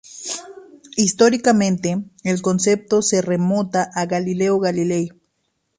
Históricamente, el concepto se remonta a Galileo Galilei.